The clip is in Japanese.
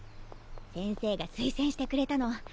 先生がすいせんしてくれたの。